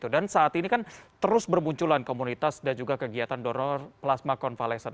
dan saat ini kan terus bermunculan komunitas dan juga kegiatan donor plasma convalescent